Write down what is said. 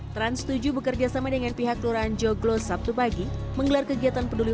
trans tujuh bekerja sama dengan pihak keluarga joglo sabtu pagi menggelar kegiatan peduli